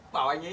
đang uống rượu